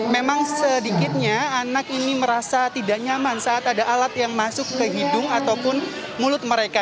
memang sedikitnya anak ini merasa tidak nyaman saat ada alat yang masuk ke hidung ataupun mulut mereka